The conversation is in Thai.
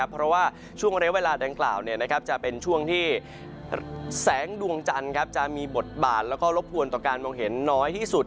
เพราะว่าช่วงระยะเวลาดังกล่าวจะเป็นช่วงที่แสงดวงจันทร์จะมีบทบาทแล้วก็รบกวนต่อการมองเห็นน้อยที่สุด